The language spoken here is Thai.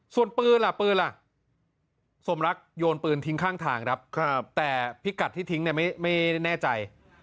ส่วนปืนล่ะปืนล่ะสมรักโยนปืนทิ้งข้างทางครับแต่พิกัดที่ทิ้งเนี่ยไม่แน่ใจ